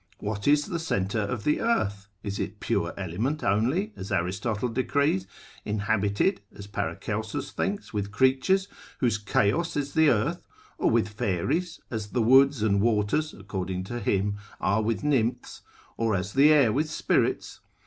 What is the centre of the earth? is it pure element only, as Aristotle decrees, inhabited (as Paracelsus thinks) with creatures, whose chaos is the earth: or with fairies, as the woods and waters (according to him) are with nymphs, or as the air with spirits?